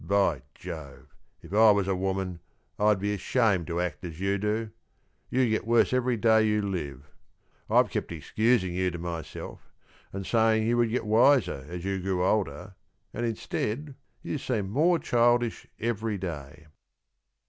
"By Jove, if I was a woman, I'd be ashamed to act as you do. You get worse every day you live. I've kept excusing you to myself, and saying you would get wiser as you grew older, and instead, you seem more childish every day."